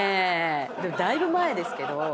でもだいぶ前ですけど。